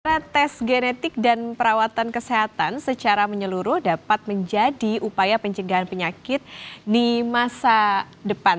karena tes genetik dan perawatan kesehatan secara menyeluruh dapat menjadi upaya pencegahan penyakit di masa depan